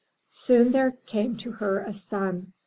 Soon there came to her a son.